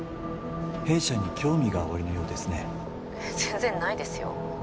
弊社に興味がおありのようですね☎全然ないですよ